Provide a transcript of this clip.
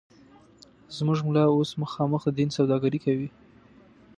زموږ ملا اوس مخامخ د دین سوداگري کوي